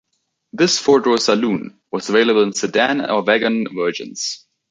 This four-door saloon was available in sedan or wagon versions.